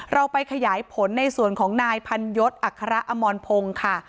เราไปขยายผลในส่วนของนายพันยศอัคระอมรพงศ์ค่ะ